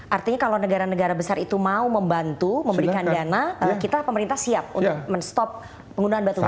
artinya kalau negara negara besar itu mau membantu memberikan dana kita pemerintah siap untuk men stop penggunaan batubara